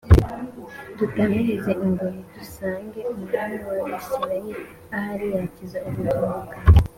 dutamirize ingoyi dusange umwami w’Abisirayeli, ahari yakiza ubugingo bwawe”